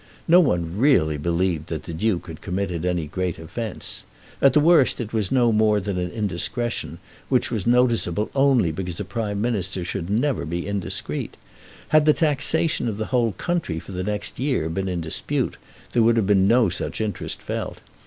No one really believed that the Duke had committed any great offence. At the worst it was no more than indiscretion, which was noticeable only because a Prime Minister should never be indiscreet. Had the taxation of the whole country for the next year been in dispute, there would have been no such interest felt.